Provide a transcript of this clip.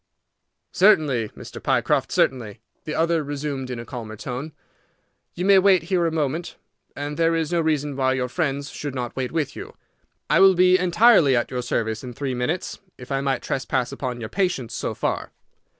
"Certainly, Mr. Pycroft, certainly," the other resumed in a calmer tone. "You may wait here a moment; and there is no reason why your friends should not wait with you. I will be entirely at your service in three minutes, if I might trespass upon your patience so far."